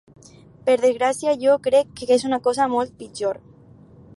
Per desgràcia jo crec que és una cosa molt pitjor.